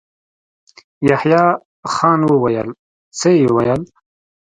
يحيی خان وويل: څه يې ويل؟